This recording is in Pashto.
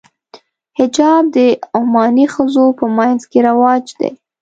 حجاب د عماني ښځو په منځ کې رواج دی.